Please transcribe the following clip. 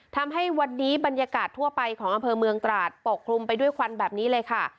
ทำให้วันนี้บรรยากาศทั่วไปของอำเภอเมืองตราดปกคลุมไปด้วยควันแบบนี้เลยค่ะ